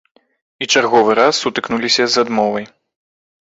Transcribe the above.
І чарговы раз сутыкнуліся з адмовай.